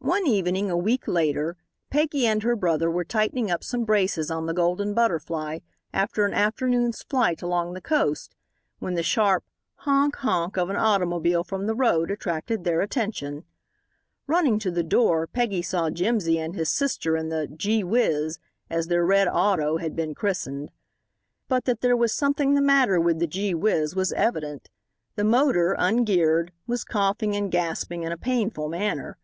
One evening, a week later, Peggy and her brother were tightening up some braces on the Golden Butterfly after an afternoon's flight along the coast, when the sharp "honk! honk!" of an automobile from the road attracted their attention. Running to the door, Peggy saw Jimsy and his sister in the "Gee Whizz," as their red auto had been christened. But that there was something the matter with the Gee Whizz was evident. The motor, ungeared, was coughing and gasping in a painful manner.